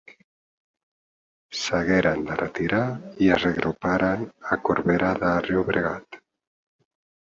S'hagueren de retirar i es reagruparen a Corbera de Llobregat.